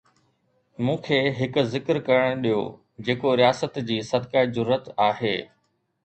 مون کي هڪ ذڪر ڪرڻ ڏيو جيڪو رياست جي 'صدقه جرئت' آهي.